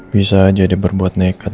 bisa aja dia berbuat nekat